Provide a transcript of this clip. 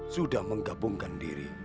sudah menggabungkan diri